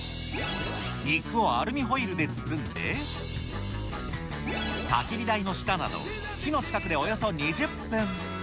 肉をアルミホイルで包んで、たき火台の下など、火の近くで、およそ２０分。